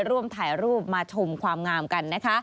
ร่วมถ่ายรูปมาชมความงามกันนะคะ